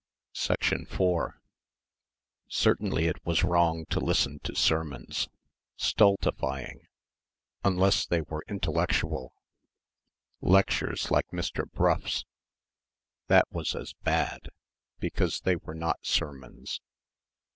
4 Certainly it was wrong to listen to sermons ... stultifying ... unless they were intellectual ... lectures like Mr. Brough's ... that was as bad, because they were not sermons....